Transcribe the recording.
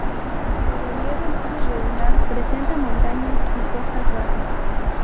De relieve muy irregular presenta montañas y costas bajas.